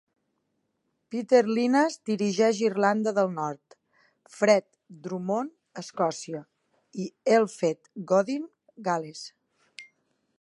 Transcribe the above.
Peter Lynas dirigeix Irlanda del Nord, Fred Drummond, Escòcia, i Elfed Godding, Gal·les.